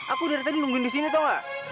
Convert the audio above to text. aku dari tadi nungguin disini tau gak